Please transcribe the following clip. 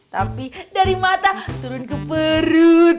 tapi dari mata turun ke perut